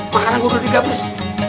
makanan gue udah digabes